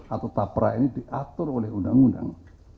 atau tapra ini diatur oleh undang undang